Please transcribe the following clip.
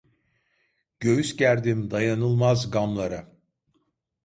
Göğüs gerdim dayanılmaz gamlara.